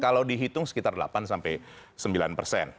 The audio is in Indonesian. kalau dihitung sekitar delapan sampai sembilan persen